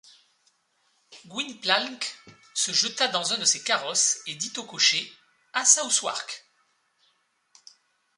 Gwynplalnc se jeta dans un de ces carrosses, et dit au cocher: — À Southwark.